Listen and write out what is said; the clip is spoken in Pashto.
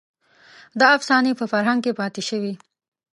دا افسانې په فرهنګ کې پاتې شوې.